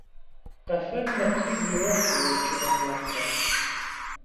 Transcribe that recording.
Къэфэн нэхъ сигу ирохь уэрэд жыӏэн нэхърэ.